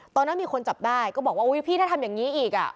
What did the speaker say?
ตอนนั้นมีคนจับได้ก็บอกว่าอุ๊ยพี่ถ้าทำอย่างนี้อีก